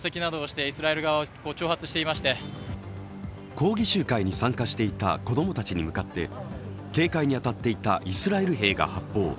抗議集会に参加していた子供たちに向かって警戒に当たっていたイスラエル兵が発砲。